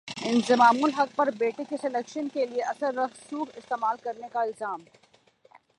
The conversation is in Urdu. انضمام الحق پر بیٹے کی سلیکشن کیلئے اثرورسوخ استعمال کرنے کا الزام